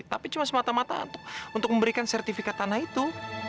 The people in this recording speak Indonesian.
tapi cuma semata mata untuk memberikan sertifikat tanah itu